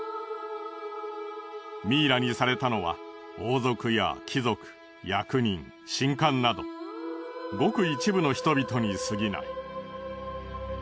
ミイラにされたのは王族や貴族役人神官などごく一部の人々にすぎない。